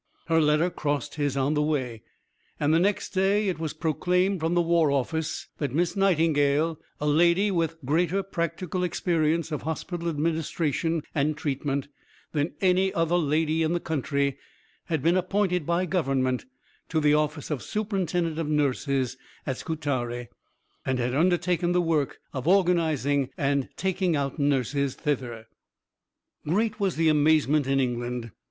Her letter crossed his on the way; and the next day it was proclaimed from the War Office that Miss Nightingale, "a lady with greater practical experience of hospital administration and treatment than any other lady in the country," had been appointed by Government to the office of Superintendent of Nurses at Scutari, and had undertaken the work of organizing and taking out nurses thither. Great was the amazement in England.